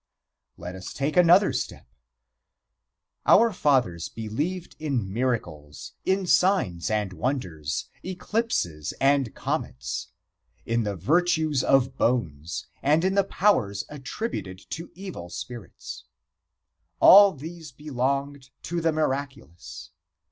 Let us take another step: Our fathers believed in miracles, in signs and wonders, eclipses and comets, in the virtues of bones, and in the powers attributed to evil spirits. All these belonged to the miraculous.